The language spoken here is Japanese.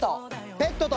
ペットと。